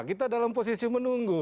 kita dalam posisi menunggu